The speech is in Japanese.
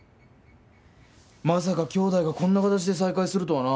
まさか兄弟がこんな形で再会するとはな。